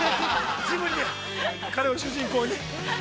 ジブリで、彼を主人公に。